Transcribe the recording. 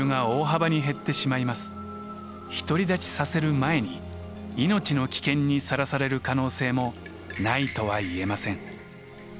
独り立ちさせる前に命の危険にさらされる可能性もないとはいえません。